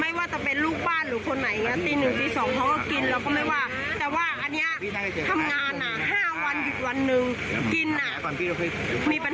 ไม่ว่าจะเป็นลูกบ้านหรือคนไหนตี๑ตี๒เขาก็กินแล้วก็ไม่ว่า